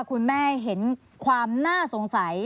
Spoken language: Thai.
คุณแม่เห็นความน่าสงสัย